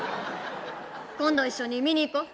今度一緒に見に行こう。